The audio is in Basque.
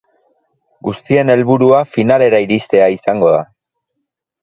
Guztien helburua finalera iristea izango da.